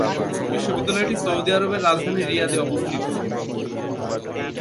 বিশ্ববিদ্যালয়টি সৌদি আরবের রাজধানী রিয়াদে অবস্থিত।